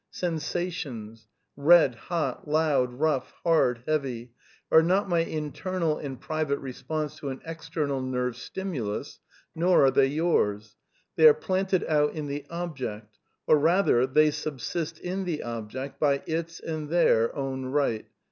Sensations: red^ hot, loud, rough, hard, heavy, are not my internal and private response to an ex ternal nerve stimulus, nor are they yours ; they are planted out in the object ; or rather, they subsist in the object by its and their own right.